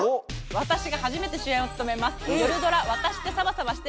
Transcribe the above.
私が初めて主演を務めます